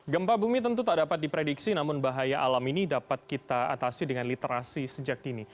gempa bumi tentu tak dapat diprediksi namun bahaya alam ini dapat kita atasi dengan literasi sejak dini